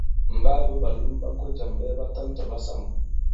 M̀ ɓaa bwě ɓàlom ɓa ko jàm ɓɛɛ ɓatan tɔ̀ ɓasamà.